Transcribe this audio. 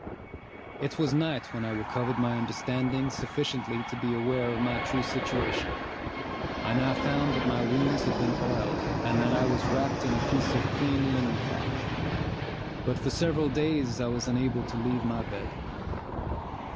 It was night when I recovered my understanding sufficiently to be aware of my true situation. I now found that my wounds had been oiled, and that I was wrapped in a piece of clean linen cloth; but for several days I was unable to leave my bed.